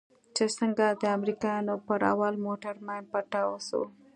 چې څنگه د امريکانو پر اول موټر ماين پټاو سو.